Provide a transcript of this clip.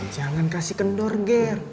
jangan kasih kendor gir